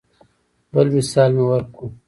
بل مثال مې ورکو.